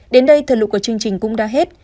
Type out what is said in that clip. đến đây thờ lụ của chương trình cũng đã hết